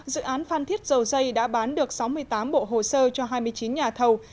dự án phan thiết dầu dây đã bán được sáu mươi tám bộ hồ sơ cho hai mươi chín nhà thầu